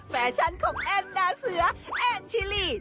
แฟชั่นของแอนดาเสือแอนชิลี